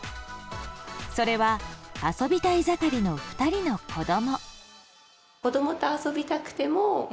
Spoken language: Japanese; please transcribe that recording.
それは遊びたい盛りの２人の子供。